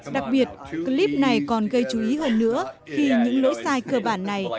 đặc biệt clip này còn gây chú ý hơn nữa khi những lỗi sai cơ bản này